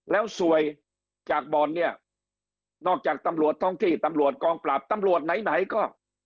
แล้วสวยจากบ่อนเนี่ยนอกจากตำรวจท้องที่ตำรวจกองปราบตำรวจไหนไหนก็